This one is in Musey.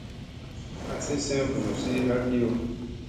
Azi seŋ vunuzi ha kiyo.